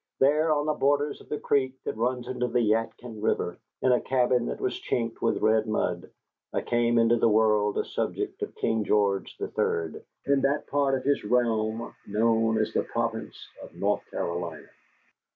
There, on the borders of a creek that runs into the Yadkin River, in a cabin that was chinked with red mud, I came into the world a subject of King George the Third, in that part of his realm known as the province of North Carolina.